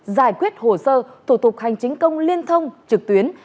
giải quyết hồ sơ thủ tục hành chính công liên thông trực tuyến